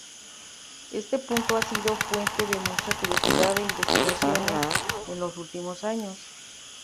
Este punto ha sido fuente de mucha curiosidad e investigaciones en los últimos años.